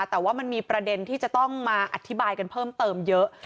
แต่ว่ามันมีประเด็นที่จะต้องมาอธิบายกันเพิ่มเติมเยอะ